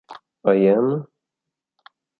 I Am...